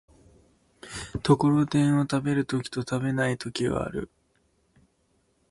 ところてんを食べる時と食べない時がある。